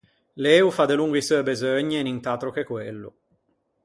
Lê o fa delongo i seu beseugni e nint’atro che quello.